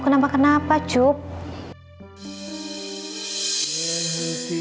ga kenapa kenapa wk tante